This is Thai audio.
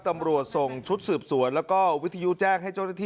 ตำรวจส่งชุดสืบสวนแล้วก็วิทยุแจ้งให้เจ้าหน้าที่